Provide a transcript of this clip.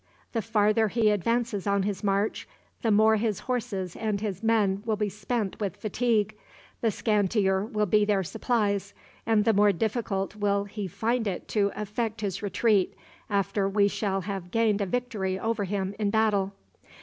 The farther he advances on his march, the more his horses and his men will be spent with fatigue, the scantier will be their supplies, and the more difficult will he find it to effect his retreat after we shall have gained a victory over him in battle."